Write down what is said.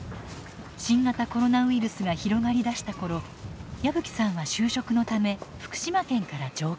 新型コロナウイルスが広がり出した頃矢吹さんは就職のため福島県から上京。